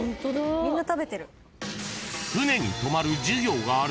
・みんな食べてる。